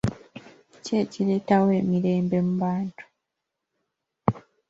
Ki ekireetawo emirerembe mu bantu?